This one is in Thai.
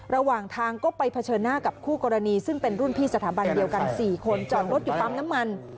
ระหว่างทางก็ไปเผชิญหน้ากับคู่กรณีซึ่งเป็นรุ่นพี่สถาบันเดียวกัน๔คนจอดรถอยู่ปั๊มน้ำมัน